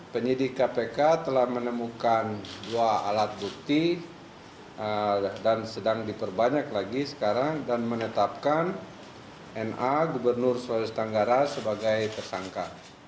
penyidik kpk telah menemukan dua alat bukti dan sedang diperbanyak lagi sekarang dan menetapkan na gubernur sulawesi tenggara sebagai tersangka